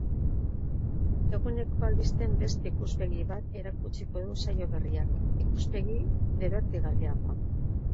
Eguneko albisteen beste ikuspegi bat erakutsiko du saio berriak, ikuspegi dibertigarriagoa.